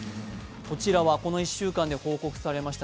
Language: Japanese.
こちらはこの１週間で報告されました